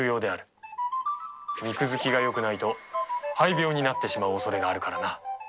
肉付きが良くないと肺病になってしまうおそれがあるからな。